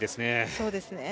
そうですね。